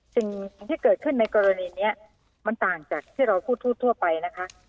สิ่งที่เกิดขึ้นในกรณีนี้มันต่างจากที่เราพูดทั่วไปนะคะ